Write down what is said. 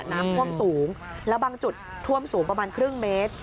น้ำท่วมสูงแล้วบางจุดท่วมสูงประมาณครึ่งเมตร